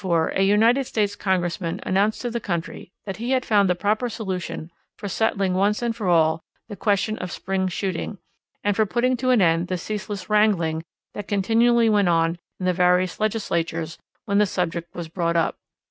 _ In the year 1904 a United States Congressman announced to the country that he had found the proper solution for settling once and for all the question of spring shooting, and for putting to an end the ceaseless wrangling that continually went on in the various legislatures when the subject was brought up.